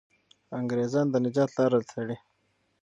انګریزان د نجات لاره تړي.